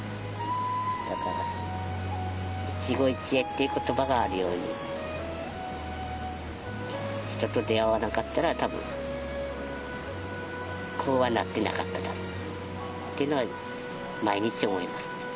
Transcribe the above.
だから一期一会っていう言葉があるように人と出会わなかったら多分こうはなってなかっただろうなっていうのは毎日思います。